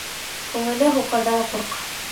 Күңеле һуҡырҙан ҡурҡ.